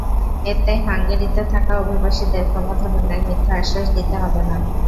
এতে হাঙ্গেরিতে থাকা অভিবাসীদের কোনো ধরনের মিথ্যা আশ্বাস দিতে হবে না।